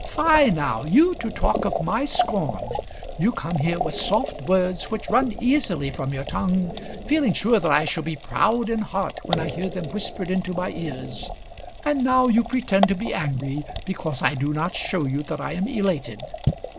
"Fie, now; you to talk of my scorn! You come here with soft words which run easily from your tongue, feeling sure that I shall be proud in heart when I hear them whispered into my ears; and now you pretend to be angry because I do not show you that I am elated.